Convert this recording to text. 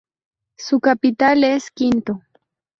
Su capital es Quinto.